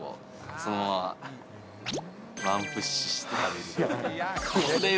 そのままワンプッシュしたり。